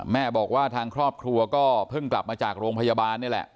แม่บอกว่าทางครอบครัวก็เพิ่งกลับมาจากโรงพยาบาลนี่แหละ